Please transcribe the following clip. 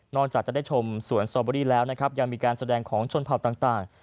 จากจะได้ชมสวนสตอเบอรี่แล้วนะครับยังมีการแสดงของชนเผ่าต่าง